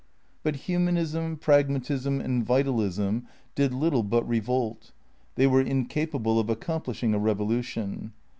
But Humanism, Pragmatism and Vitalism did little but revolt; they were incapable of accomplishing a revolution.